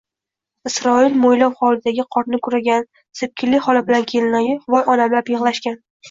Isroil mo‘ylov hovlidagi qorni kuragan, Sepkilli xola bilan Kelinoyi «voy onamlab» yig‘lashgan...